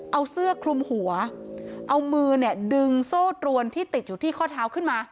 เอาเสื้อคลุมหัวเอามือเนี่ยดึงโซ่ตรวนที่ติดอยู่ที่ข้อเท้าขึ้นมา